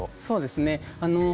そうですね。